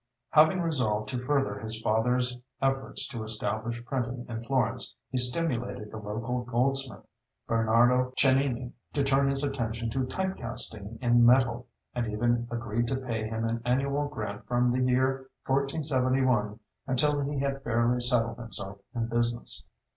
Having resolved to further his father's efforts to establish printing in Florence, he stimulated the local goldsmith, Bernardo Cennini, to turn his attention to type casting in metal, and even agreed to pay him an annual grant from the year 1471 until he had fairly settled himself in business.